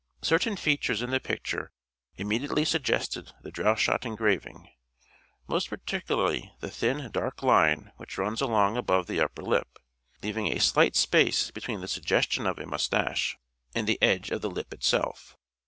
Certain features in the picture immediately suggested the Droeshout engraving ; most particularly the thin dark line which runs along above the upper lip, leaving a slight space between this suggestion of a moustache 534 "SHAKESPEARE'1 IDENTIFIED and the edge of the lip itself.